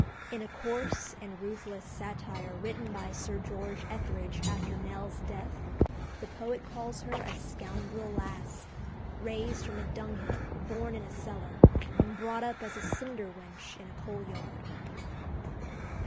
In a coarse and ruthless satire written by Sir George Etherege after Nell's death, the poet calls her a "scoundrel lass," raised from a dunghill, born in a cellar, and brought up as a cinder wench in a coalyard.